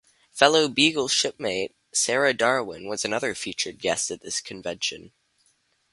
Fellow "Beagle" shipmate Sarah Darwin was another featured guest at this convention.